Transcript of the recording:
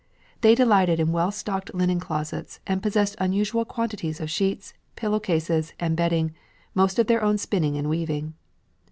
They delighted in well stocked linen closets and possessed unusual quantities of sheets, pillow cases, and bedding, mostly of their own spinning and weaving.